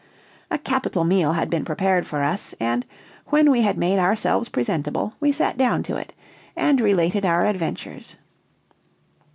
A capital meal had been prepared for us, and, when we had made ourselves presentable, we sat down to it, and related our adventures.